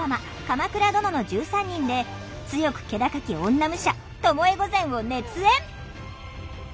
「鎌倉殿の１３人」で強く気高き女武者巴御前を熱演！